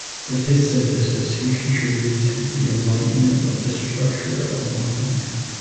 With his synthesis, he contributed to the enlightenment of the structure of morphine.